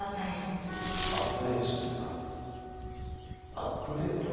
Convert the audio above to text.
アップデート？